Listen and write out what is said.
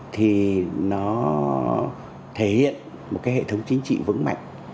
thì nó thể hiện một cái hệ thống chính trị vững mạnh